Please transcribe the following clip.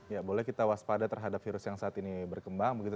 ya boleh kita waspada terhadap virus yang saat ini berkembang begitu